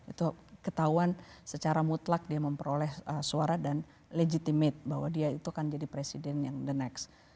itu ketahuan secara mutlak dia memperoleh suara dan legitimate bahwa dia itu kan jadi presiden yang the next